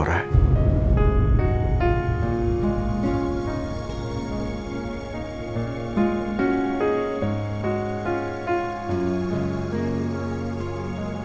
setelah apa yang terjadi